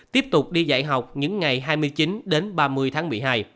tiếp tục đi dạy học những ngày hai mươi chín đến ba mươi tháng một mươi hai